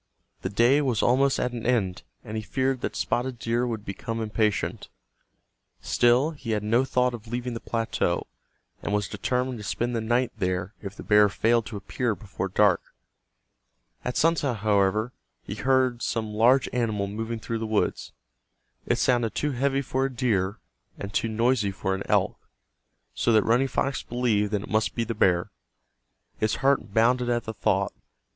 The day was almost at an end, and he feared that Spotted Deer would become impatient. Still he had no thought of leaving the plateau, and was determined to spend the night there if the bear failed to appear before dark. At sunset, however, he heard some large animal moving through the woods. It sounded too heavy for a deer, and too noisy for an elk, so that Running Fox believed it must be the bear. His heart bounded at the thought.